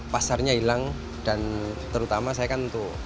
pasarnya hilang dan terutama saya kan untuk